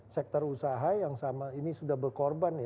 sektor usaha yang sama ini sudah berkorban